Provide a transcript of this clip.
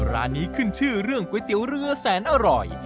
ร้านนี้ขึ้นชื่อเรื่องก๋วยเตี๋ยวเรือแสนอร่อย